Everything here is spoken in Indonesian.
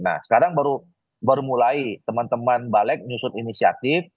nah sekarang baru mulai teman teman balek nyusut inisiatif